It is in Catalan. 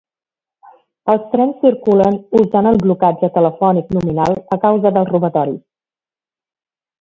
Els trens circulen usant el blocatge telefònic nominal a causa dels robatoris.